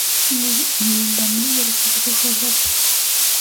Y el Danubio dejó de desbordarse.